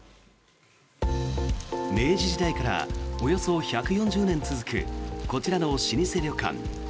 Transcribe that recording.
明治時代からおよそ１４０年続くこちらの老舗旅館。